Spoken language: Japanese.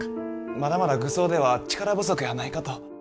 まだまだ愚僧では力不足やないかと。